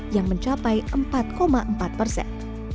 yang mencapai empat empat persen